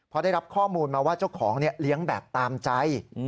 พอได้รับข้อมูลมาว่าเจ้าของเลี้ยงแบบตามใจ